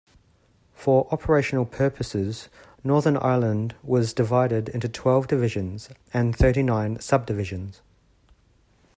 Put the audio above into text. For operational purposes, Northern Ireland was divided into twelve Divisions and thirty-nine Sub-Divisions.